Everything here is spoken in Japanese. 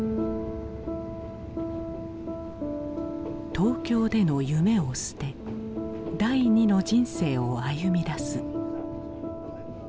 東京での夢を捨て第二の人生を歩み出す。